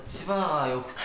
がよくて。